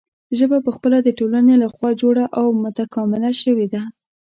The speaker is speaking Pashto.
ژبه پخپله د ټولنې له خوا جوړه او متکامله شوې ده.